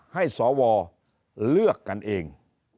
ให้สวเลือกกันเอง